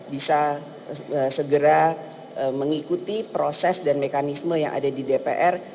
bisa segera mengikuti proses dan mekanisme yang ada di dpr